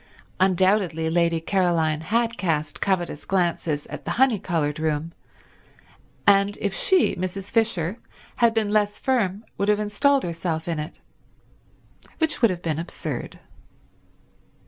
Undoubtedly Lady Caroline had cast covetous glances at the honey coloured room, and if she, Mrs. Fisher, had been less firm would have installed herself in it. Which would have been absurd.